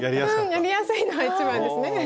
やりやすいのは一番ですね。